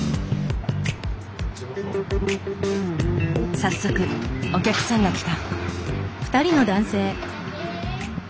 早速お客さんが来た。